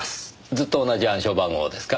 ずっと同じ暗証番号ですか？